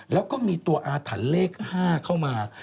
แล้วก็มีตัวอาถรรพ์เลข๕เข้ามา